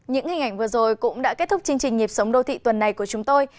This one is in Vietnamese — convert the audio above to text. những hình ảnh vừa rồi cũng đã kết thúc chương trình nhịp sống đô thị tuần này của chúng tôi